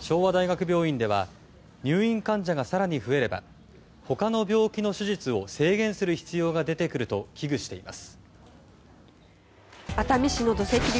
昭和大学病院では入院患者が更に増えれば他の病気の手術を制限する必要が出てくると危惧しています。